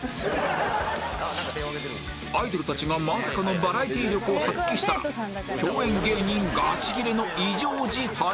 アイドルたちがまさかのバラエティ力を発揮したら共演芸人ガチギレの異常事態！？